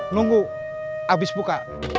nunggu abis buka